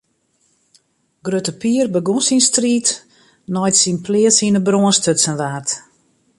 Grutte Pier begûn syn striid nei't syn pleats yn 'e brân stutsen waard.